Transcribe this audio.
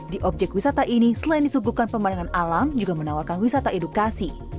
di objek wisata ini selain disuguhkan pemandangan alam juga menawarkan wisata edukasi